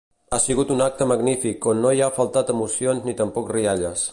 Ha sigut un acte magnífic on no hi ha faltat emocions ni tampoc rialles.